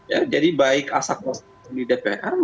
ya jadi baik asa kosong di dpr